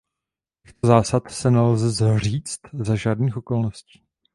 Těchto zásad se nelze zříct za žádných okolností.